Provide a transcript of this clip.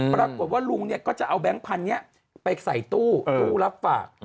ปรากฏว่าลุงเนี่ยก็จะเอาแก๊งพันธุ์นี้ไปใส่ตู้รับฝาก